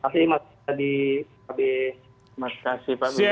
terima kasih pak febrio